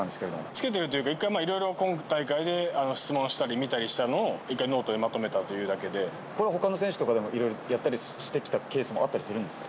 つけているというか、１回、今大会で、質問したり、見たりしたのを、一回、ノートにこれはほかの選手でもいろいろやったりしてきたケースとかもあったりするんですか。